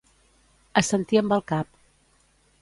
Assentir amb el cap.